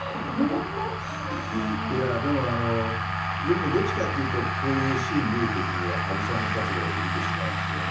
でも、僕もどっちかというとこういうシーンを見る時には羽生さんの立場で見てしまうんですよね。